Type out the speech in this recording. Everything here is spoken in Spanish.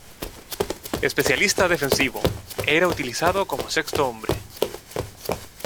Especialista defensivo, era utilizado como sexto hombre.